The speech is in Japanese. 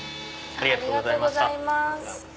ありがとうございます。